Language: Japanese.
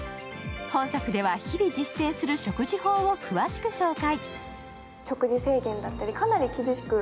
本作では、日々実践する食事法を詳しく紹介。